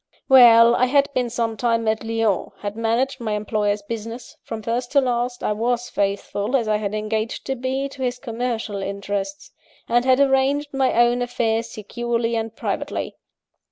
"Well: I had been some time at Lyons; had managed my employer's business (from first to last, I was faithful, as I had engaged to be, to his commercial interests); and had arranged my own affairs securely and privately.